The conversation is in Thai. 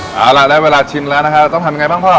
เอาล่ะได้เวลาชิมแล้วนะครับต้องทำยังไงบ้างพ่อ